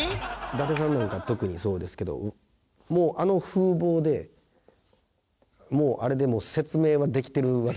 伊達さんなんか特にそうですけどもうあの風貌であれでもう説明はできてるわけじゃないですか。